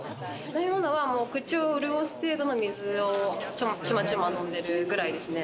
飲み物は口を潤す程度の水を、ちまちま飲んでるくらいですね。